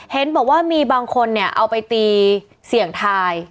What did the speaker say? เห็นบอกว่ามีบางคนเนี่ยเอาไปตีเสี่ยงทาย